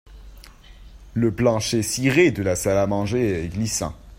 Le plancher ciré de la salle à manger est glissant.